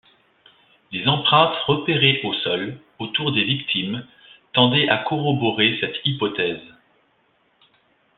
Les empreintes repérées au sol, autour des victimes, tendaient à corroborer cette hypothèse.